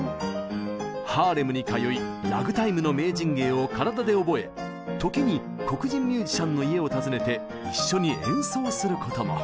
ハーレムに通いラグタイムの名人芸を体で覚え時に黒人ミュージシャンの家を訪ねて一緒に演奏することも。